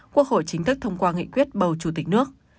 quốc hội chính thức thông qua nghị quyết bầu chủ tịch nước